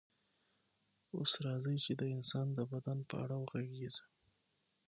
اوس راځئ چې د انسان د بدن په اړه وغږیږو